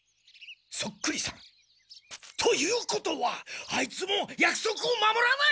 そっくりさん。ということはあいつもやくそくを守らない！？